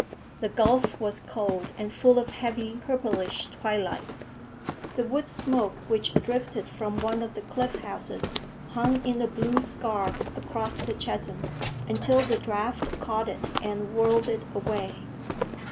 The gulf was cold and full of heavy, purplish twilight. The wood smoke which drifted from one of the cliff houses hung in a blue scarf across the chasm, until the draft caught it and whirled it away.